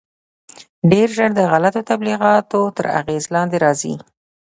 ډېر ژر د غلطو تبلیغاتو تر اغېز لاندې راځي.